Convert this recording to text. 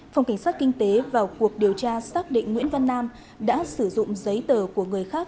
phòng cảnh sát kinh tế vào cuộc điều tra xác định nguyễn văn nam đã sử dụng giấy tờ của người khác